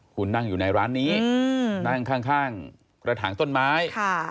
คุณนั่งอยู่ในร้านนี้นั่งข้างกระถางต้นไม้